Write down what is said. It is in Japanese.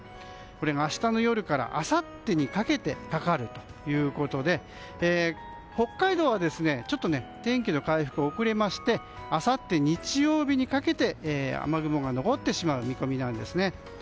これが明日の夜からあさってにかけてかかるということで北海道はちょっと天気の回復が遅れましてあさって日曜日にかけて雨雲が残ってしまう見込みなんですね。